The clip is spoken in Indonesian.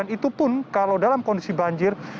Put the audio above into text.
dan itu pun kalau dalam kondisi banjir